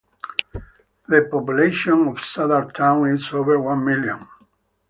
The population of Saddar Town is over one million.